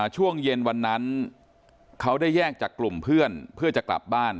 ช่วงเย็นวันนั้นเขาได้แยกจากกลุ่มเพื่อนเพื่อจะกลับบ้าน